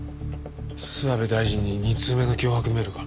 諏訪部大臣に２通目の脅迫メールが。